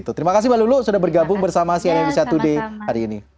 terima kasih mbak lulu sudah bergabung bersama sian indonesia today hari ini